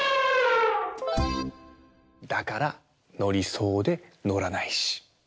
だからのりそうでのらないし。